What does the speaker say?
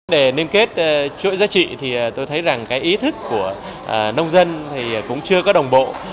để liên kết chuỗi giá trị thì tôi thấy rằng cái ý thức của nông dân thì cũng chưa có đồng bộ